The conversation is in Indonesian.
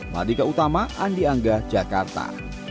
madika utama andi angga jakarta